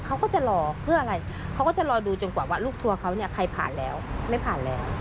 เขาก็จะรอเพื่ออะไรเขาก็จะรอดูจนกว่าว่าลูกทัวร์เขาเนี่ยใครผ่านแล้วไม่ผ่านแล้ว